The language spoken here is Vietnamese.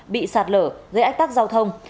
bị sạt lở gây ách tắc giao thông